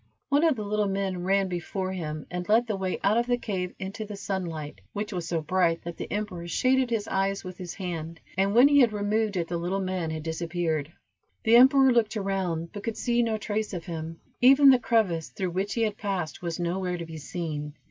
One of the little men ran before him, and led the way out of the cave into the sunlight, which was so bright that the emperor shaded his eyes with his hand, and when he had removed it the little man had disappeared. The emperor looked around, but could see no trace of him; even the crevice through which he had passed, was nowhere to be seen.